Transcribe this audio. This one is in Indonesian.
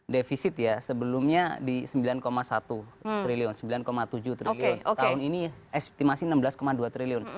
defisit ya sebelumnya di sembilan satu triliun sembilan tujuh triliun tahun ini estimasi enam belas dua triliun